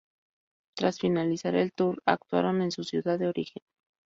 Tras finalizar el tour, actuaron en su ciudad de origen.